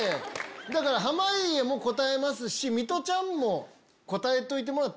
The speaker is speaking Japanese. だから濱家も答えますしミトちゃんも答えてもらって。